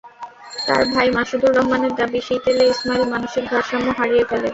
তাঁর ভাই মাসুদুর রহমানের দাবি, শীত এলে ইসমাইল মানসিক ভারসাম্য হারিয়ে ফেলে।